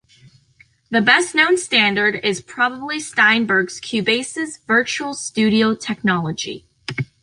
The best known standard is probably Steinberg Cubase's Virtual Studio Technology.